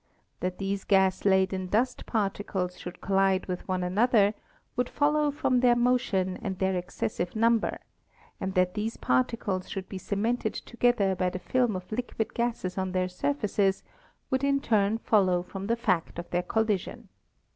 That these gas laden dust particles should collide with one an other would follow from their motion and their excessive number, and that these particles should be cemented to gether by the film of liquid gases on their surfaces would in turn follow from the fact of their collision.